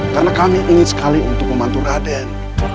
karena kami ingin sekali untuk membantu raden